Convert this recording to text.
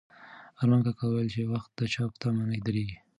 ارمان کاکا وویل چې وخت د چا په تمه نه درېږي.